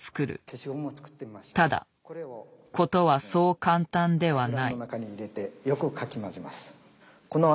ただ事はそう簡単ではない。